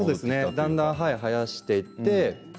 だんだん生やしていって。